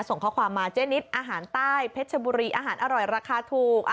ส่งข้อความมาเจนิดอาหารใต้เพชรบุรีอาหารอร่อยราคาถูก